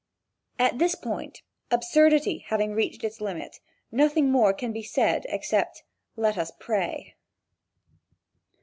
At this point, absurdity having reached its limit, nothing more can be said except: "Let us pray."